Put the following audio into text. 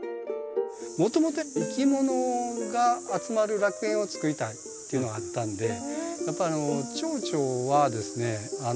もともといきものが集まる楽園を作りたいっていうのがあったんでやっぱチョウチョはですね